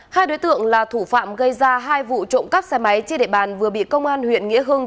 hai đối tượng là thủ phạm gây ra hai vụ trộm cắp xe máy trên địa bàn vừa bị công an huyện nghĩa hưng